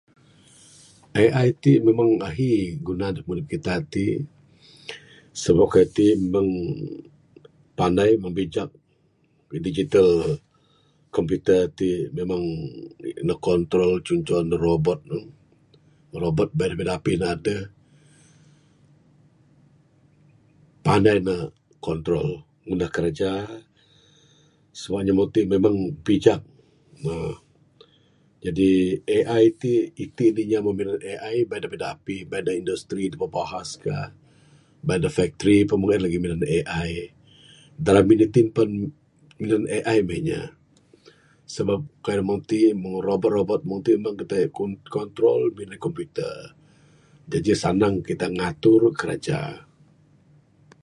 AI ti memang ahi guna ne neg kita ti sebab kayuh ti meng panai membijak digital computer ti memang ne control cuntoh ne robot, robot bait dapih dapih ne adeh panai ne control ngunah kerja. Semua inya meng ti memang ne pijak ne, Jadi AI ti, inya da meh minan AI ti adeh da dapih dapih bait ne da industry bahas bahas ka bait da factory ka pun meng en lagih minan AI dalam Indi team pun minan AI mah inya sabab kayuh da meng ti da robot robot meng ti ku control bin Ji sanang kita ngatur kerja.